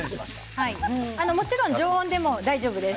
もちろん常温でも大丈夫です。